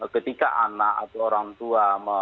ketika anak atau orang tua